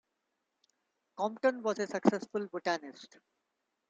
Compton was a successful botanist.